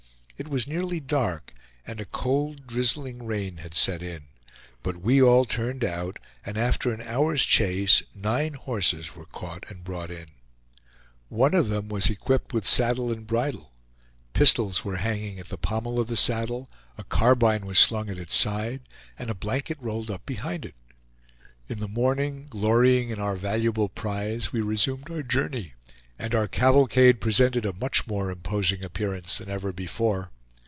It was nearly dark, and a cold, drizzling rain had set in; but we all turned out, and after an hour's chase nine horses were caught and brought in. One of them was equipped with saddle and bridle; pistols were hanging at the pommel of the saddle, a carbine was slung at its side, and a blanket rolled up behind it. In the morning, glorying in our valuable prize, we resumed our journey, and our cavalcade presented a much more imposing appearance than ever before.